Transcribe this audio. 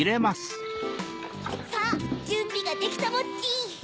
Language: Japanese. さぁじゅんびができたモチ！